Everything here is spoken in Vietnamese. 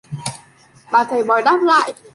bà thầy bói đáp lại